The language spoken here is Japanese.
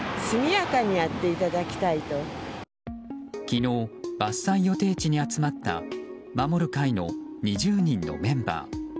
昨日、伐採予定地に集まった守る会の２０人のメンバー。